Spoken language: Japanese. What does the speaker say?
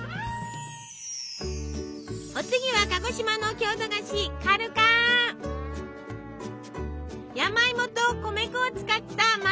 お次は鹿児島の郷土菓子山芋と米粉を使った真っ白な蒸し菓子よ。